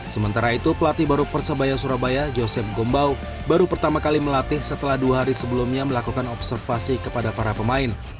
sementara itu pelatih baru persebaya surabaya joseph gombau baru pertama kali melatih setelah dua hari sebelumnya melakukan observasi kepada para pemain